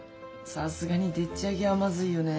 さすがにでっちあげはまずいよねえ。